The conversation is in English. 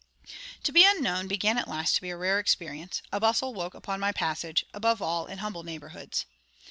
To be unknown began at last to be a rare experience; a bustle woke upon my passage; above all, in humble neighbourhoods.